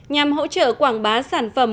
nhằm hỗ trợ quảng bá sản phẩm